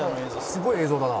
「すごい映像だな」